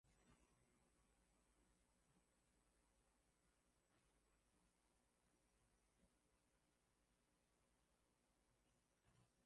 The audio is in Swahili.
Kontrafakt Celeste Buckingham Rytmus Majk Spirit kutoka chini Slovakia